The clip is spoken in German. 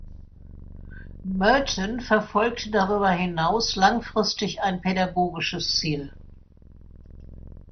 Merton verfolgte darüber hinaus langfristig ein pädagogisches Ziel.